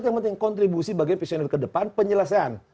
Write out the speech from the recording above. yang penting kontribusi bagian visioner ke depan penyelesaian